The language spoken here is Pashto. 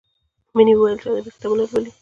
مینې وویل چې ادبي کتابونه لولي